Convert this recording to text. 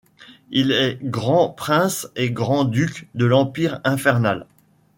Il est grand prince et grand-duc de l'empire infernal.